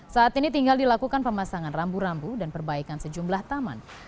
saat ini tinggal dilakukan pemasangan rambu rambu dan perbaikan sejumlah taman